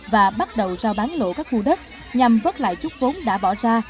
và bắt đầu rao bán lộ các khu đất nhằm vớt lại chút vốn đã bỏ ra